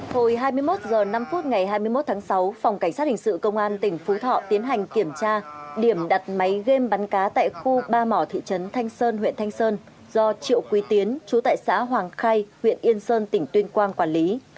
hồi hai mươi một h năm ngày hai mươi một tháng sáu phòng cảnh sát hình sự công an tỉnh phú thọ tiến hành kiểm tra điểm đặt máy game bắn cá tại khu ba mỏ thị trấn thanh sơn huyện thanh sơn do triệu quy tiến chú tại xã hoàng khay huyện yên sơn tỉnh tuyên quang quản lý